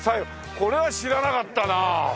これは知らなかったなあ。